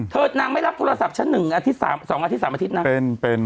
เธอนางไม่รับโทรศัพท์ฉั้น๑๒๓อาทิตย์นั้น